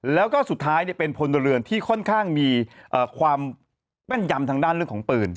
แล้วก็สุดท้ายเป็นพลเรือนที่ค่อนข้างมีความแม่นยำทางด้านเรื่องของปืน